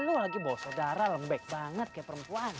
lu lagi bawa saudara lembek banget kayak perempuan